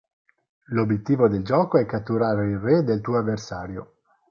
L'obiettivo del gioco è catturare il re del tuo avversario.